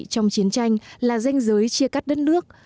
trong chiến tranh là danh giới chia cắt đất nước